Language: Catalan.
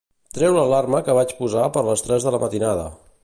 Treu l'alarma que vaig posar per les tres de la matinada.